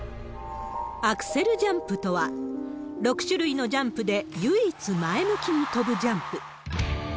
アクセルジャンプとは、６種類のジャンプで唯一前向きに飛ぶジャンプ。